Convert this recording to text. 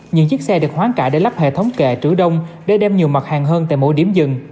những chiếc xe được hoán cải để lắp hệ thống kệ trữ đông để đem nhiều mặt hàng hơn tại mỗi điểm dừng